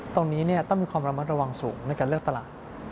ตรงนี้ต้องมีความระมัดระวังสูงในการเลือกตลาด